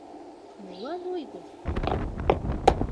— Молан ойго?